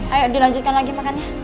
ayo dilanjutkan lagi makannya